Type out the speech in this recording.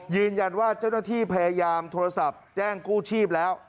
ยืนยันว่าเจ้าหน้าที่พยายามโทรศัพท์แจ้งกู้ชีพแล้ว